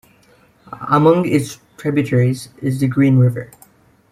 Among its tributaries is the Green River.